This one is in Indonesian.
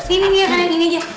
terima kasih ya